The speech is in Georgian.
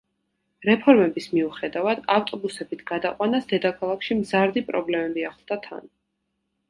რეფორმების მიუხედავად, ავტობუსებით გადაყვანას, დედაქალაქში მზარდი პრობლემები ახლდა თან.